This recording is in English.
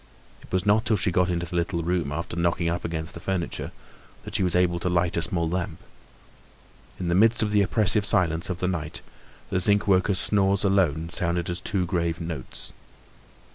It was not till she got into the little room, after knocking up against the furniture, that she was able to light a small lamp. In the midst of the oppressive silence of night, the zinc worker's snores alone sounded as two grave notes.